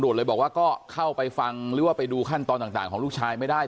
จริงก็เข้าไปฟังไปดูขั้นตอนต่างของลูกชายไม่ได้